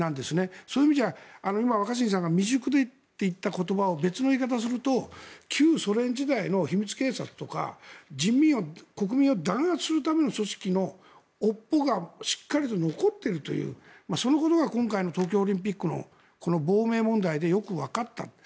そういう意味では今、若新さんが未熟と言った言葉を別の言い方をすると旧ソ連時代の秘密警察とか人民を国民を弾圧するための組織の尾っぽがしっかりと残っているというそのことが今回の東京オリンピックの亡命問題でよくわかったと。